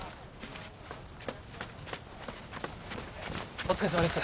お疲れさまです。